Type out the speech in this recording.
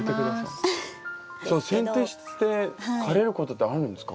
せん定して枯れることってあるんですか？